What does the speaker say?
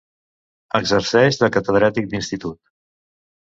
Exerceix de catedràtic d'institut.